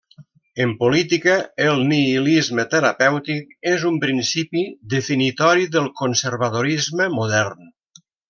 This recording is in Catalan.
En política, el nihilisme terapèutic és un principi definitori del conservadorisme modern.